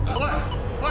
おい！